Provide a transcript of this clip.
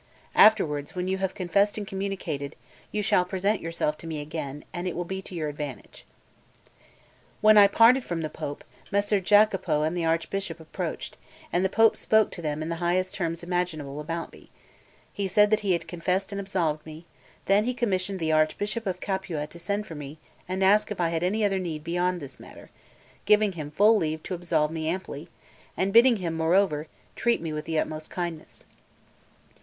Afterwards, when you have confessed and communicated, you shall present yourself to me again, and it will be to your advantage." When I parted from the Pope, Messer Giacopo and the Archbishop approached, and the Pope spoke to them in the highest terms imaginable about me; he said that he had confessed and absolved me; then he commissioned the Archbishop of Capua to send for me and ask if I had any other need beyond this matter, giving him full leave to absolve me amply, and bidding him, moreover, treat me with the utmost kindness.